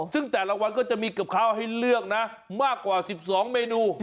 ซึ่งแต่ละวันก็จะมีกับข้าวให้เลือกนะมากกว่า๑๒เมนู